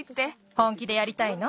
本気でやりたいの？